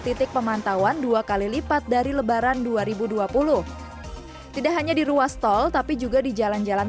titik pemantauan dua kali lipat dari lebaran dua ribu dua puluh tidak hanya di ruas tol tapi juga di jalan jalan